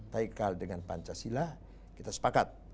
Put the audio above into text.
taikal dengan pancasila kita sepakat